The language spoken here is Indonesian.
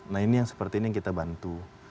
nah ini yang seperti ini yang kita bantu